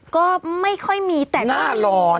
ก็ไม่ค่อยมีแต่หน้าร้อน